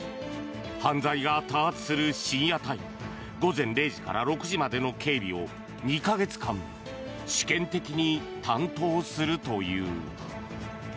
犯罪が多発する深夜帯午前０時から６時までの警備を２か月間試験的に担当するという。